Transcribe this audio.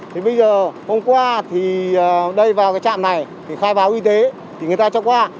thì bây giờ hôm qua thì đây vào cái trạm này thì khai báo y tế thì người ta cho qua